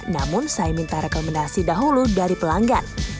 namun saya minta rekomendasi dahulu dari pelanggan